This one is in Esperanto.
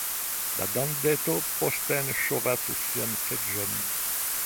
La dandeto posten ŝovas sian seĝon.